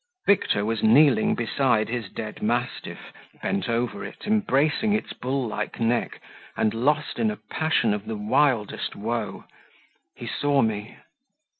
Victor was kneeling beside his dead mastiff, bent over it, embracing its bull like neck, and lost in a passion of the wildest woe: he saw me.